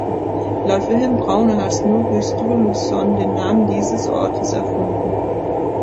Laut Wilhelm Braune hat Snorri Sturluson den Namen dieses Ortes erfunden.